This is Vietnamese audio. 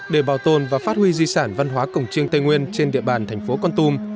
để bảo tồn và phát huy di sản văn hóa cổng chiêng tây nguyên trên địa bàn thành phố con tum